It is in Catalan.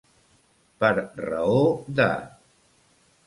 Per raó de.